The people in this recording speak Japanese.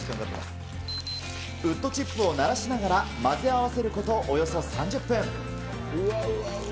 ウッドチップをならしながら、混ぜ合わせることおよそ３０分。